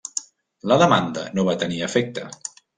La demanda no va tenir efecte.